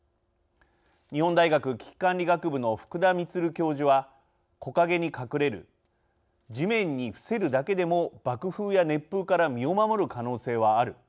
日本大学危機管理学部の福田充教授は「木陰に隠れる地面に伏せるだけでも爆風や熱風から身を守る可能性はある。